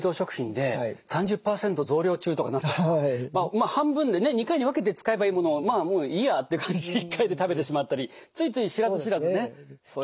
まあ半分でね２回に分けて使えばいいものをまあもういいやっていう感じで１回で食べてしまったりついつい知らず知らずねそういうことあります。